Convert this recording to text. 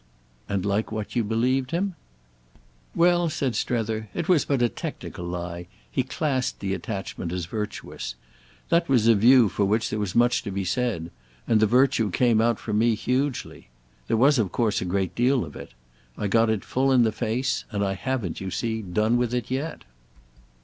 "And like what you believed him?" "Well," said Strether, "it was but a technical lie—he classed the attachment as virtuous. That was a view for which there was much to be said—and the virtue came out for me hugely There was of course a great deal of it. I got it full in the face, and I haven't, you see, done with it yet."